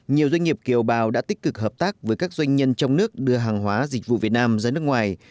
nhiều doanh nghiệp kiều bào đã tích cực hợp tác với các doanh nhân trong nước đưa hàng hóa dịch vụ việt nam ra nước ngoài